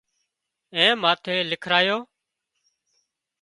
اين ماٿي لکرايون